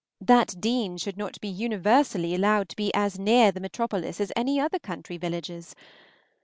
that Deane should not be universally allowed to be as near the metropolis as any other country villages.